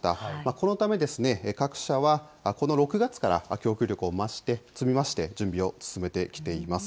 このため、各社はこの６月から供給力を積み増して準備を進めてきています。